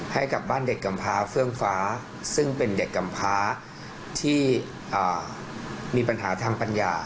ให้กับบ้านเด็กกำพาเฟื่องฟ้าซึ่งเป็นเด็กกำพาที่มีปัญหาทางปัญญา